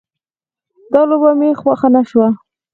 دا لوبډله مې خوښه نه شوه